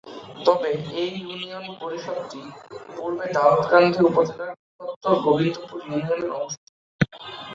তবে এ ইউনিয়ন পরিষদটি পূর্বে দাউদকান্দি উপজেলার বৃহত্তর গোবিন্দপুর ইউনিয়নের অংশ ছিল।